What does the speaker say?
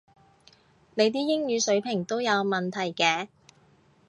你啲英語水平都有問題嘅